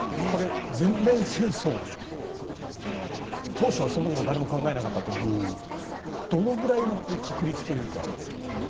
これ、全面戦争当初はそんなこと誰も考えなかったと思うけどどのくらいの確率というか。